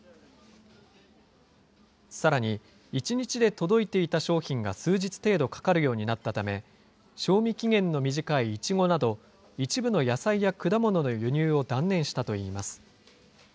さらに、１日で届いていた商品が数日程度かかるようになったため、賞味期限の短いいちごなど、一部の野菜や果物の輸入を断念したといいます。